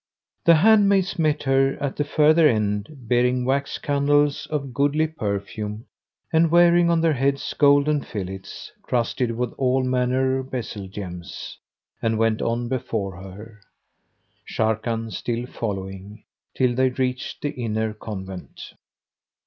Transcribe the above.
The handmaids met her at the further end bearing wax candles of goodly perfume, and wearing on their heads golden fillets crusted with all manner bezel gems,[FN#184] and went on before her (Sharrkan still following), till they reached the inner convent.